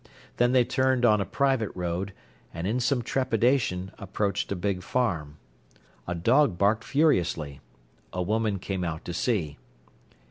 Then they turned on a private road, and in some trepidation approached a big farm. A dog barked furiously. A woman came out to see.